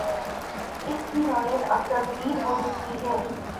اس کی نوعیت اب تبدیل ہو چکی ہے۔